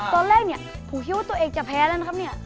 ตอนแรกเนี่ยผมคิดว่าตัวเองจะแพ้แล้วนะครับเนี่ย